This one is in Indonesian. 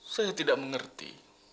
saya tidak mengerti